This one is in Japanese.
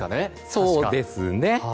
そうですね。